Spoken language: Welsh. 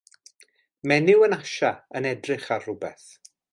Menyw yn Asia yn edrych ar rywbeth.